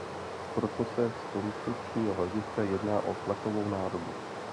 Proto se z konstrukčního hlediska jedná o tlakovou nádobu.